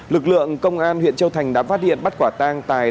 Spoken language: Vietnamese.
lực lượng công an huyện châu thành đã phát hiện bắt quả tang tài